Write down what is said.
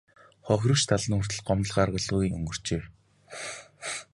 Хохирогч тал нь хүртэл гомдол гаргалгүй өнгөрчээ.